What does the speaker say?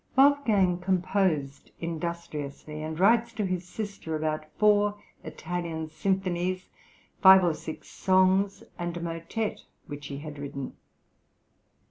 {THE ITALIAN TOUR.} (126) Wolfgang composed industriously, and writes to his sister about four Italian symphonies, five or six songs, and a motett, which he had written.